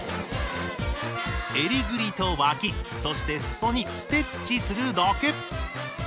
えりぐりと脇そしてすそにステッチするだけ。